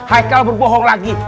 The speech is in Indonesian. haikal berbohong lagi